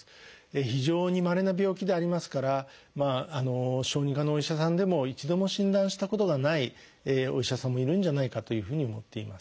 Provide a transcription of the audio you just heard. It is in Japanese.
非常にまれな病気でありますから小児科のお医者さんでも一度も診断したことがないお医者さんもいるんじゃないかというふうに思っています。